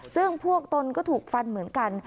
ซึ่งพวกตนก็ถูกฟันเหมือนกัน